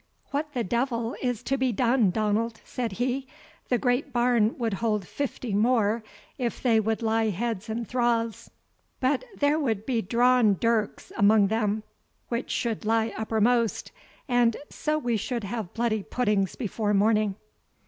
"What the devil is to be done, Donald?" said he; "the great barn would hold fifty more, if they would lie heads and thraws; but there would be drawn dirks amang them which should lie upper most, and so we should have bloody puddings before morning!"